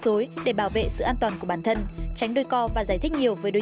cứ để nó đi cướp chồng cháu đi nó đánh cháu đi